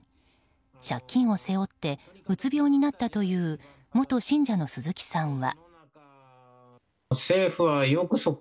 借金を背負ってうつ病になったという元信者の鈴木さんは。